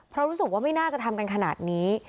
เพราะรู้สึกว่าไม่น่าจะทำกันขนาดนี้